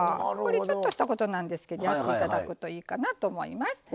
ちょっとしたことなんですけどやって頂くといいかなと思います。